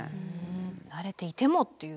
慣れていてもという。